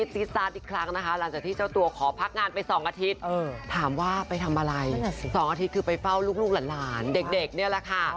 เด็กเนี่ยแหละค่ะ